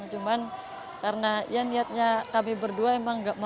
cuman karena niatnya kami berdua memang tidak mau